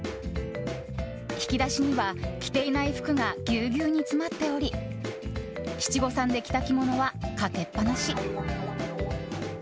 引き出しには、着ていない服がギュウギュウに詰まっており七五三で着た着物はかけっぱなし。